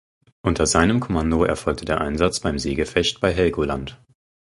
Unter seinem Kommando erfolgte der Einsatz beim Seegefecht bei Helgoland.